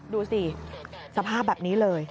ดูสิสภาพแบบนี้เลย